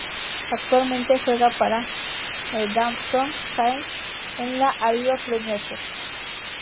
Actualmente juega para Northampton Saints en la Aviva Premiership.